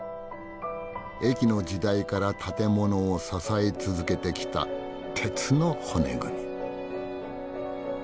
駅の時代から建物を支え続けてきた鉄の骨組み。